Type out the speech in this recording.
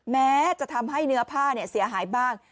แม้จะทำให้เนื้อผ้าเสียหายบ้าง